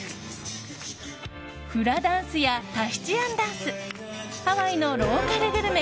フラダンスやタヒチアンダンスハワイのローカルグルメ